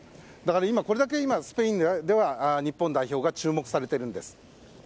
今、これだけスペイン内では日本代表が注目されているんです。